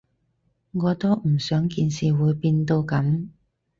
我都唔想件事會變到噉